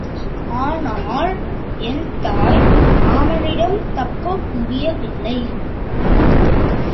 ஆனால் என் தாய் மாமனிடம் தப்ப முடியவில்லை.